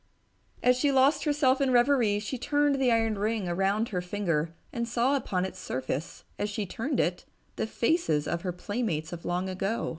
As she lost herself in reverie, she turned the iron ring around her finger and saw upon its surface, as she turned it, the faces of her playmates of long ago.